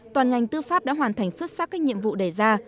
toàn ngành tư pháp đã hoàn thành xuất sắc các nhiệm vụ đề ra